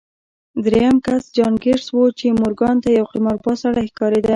درېيم کس جان ګيټس و چې مورګان ته يو قمارباز سړی ښکارېده.